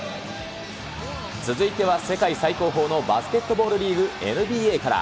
続いては世界最高峰のバスケットボールリーグ・ＮＢＡから。